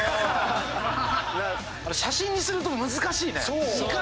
写真にすると難しいね。